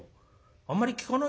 あんまり聞かないでしょ